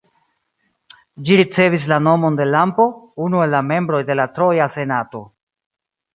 Ĝi ricevis la nomon de Lampo, unu el la membroj de la troja senato.